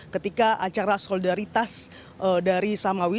ketika acara solidaritas dari samawi